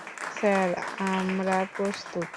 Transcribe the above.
Sir, আমরা প্রস্তুত।